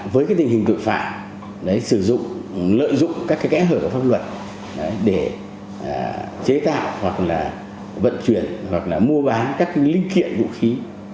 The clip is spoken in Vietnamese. với tình hình tội phạm lợi dụng các kẽ hở của pháp luật để chế tạo vận chuyển mua bán các linh kiện vũ khí